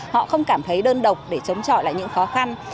họ không cảm thấy đơn độc để chống chọi lại những khó khăn